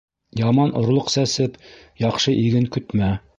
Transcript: Яман орлоҡ сәсеп, яҡшы иген көтмә.